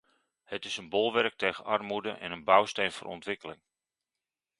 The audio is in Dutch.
Het is een bolwerk tegen armoede en een bouwsteen voor ontwikkeling.